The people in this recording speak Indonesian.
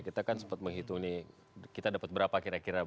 kita kan sempat menghitung nih kita dapat berapa kira kira